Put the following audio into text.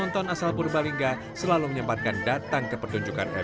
kalau belum puas mau disembuhkan kayak gimana pun ya susah